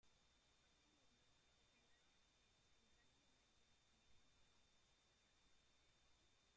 Asimismo, opinaba que, en tales momentos, las familias no deberían ser separadas.